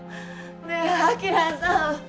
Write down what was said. ねえ晶さん。